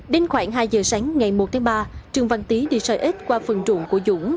đến khoảng hai giờ sáng ngày một tháng ba trương văn tý đi sợi ếch qua phần trụng của dũng